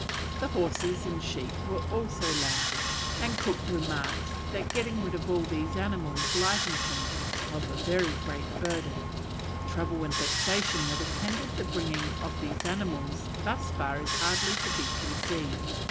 The horses and sheep were also landed, and Cook remarks that getting rid of all these animals lightened him: "of a very heavy burden; the trouble and vexation that attended the bringing these animals thus far is hardly to be conceived.